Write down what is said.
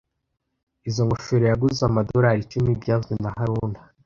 Izoi ngofero yaguze amadorari icumi byavuzwe na haruna